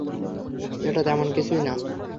এটা তেমন কিছুই না।